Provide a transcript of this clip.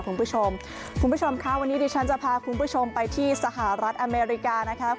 คุณผู้ชมคุณผู้ชมค่ะวันนี้ดิฉันจะพาคุณผู้ชมไปที่สหรัฐอเมริกานะคะ